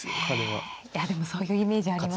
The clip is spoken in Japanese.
いやでもそういうイメージあります。